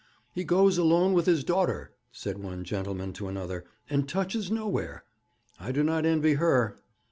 'He goes alone with his daughter,' said one gentleman to another, 'and touches nowhere. I do not envy her.'